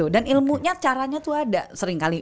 dan ilmunya caranya tuh ada sering kali